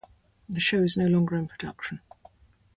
The show is no longer in production.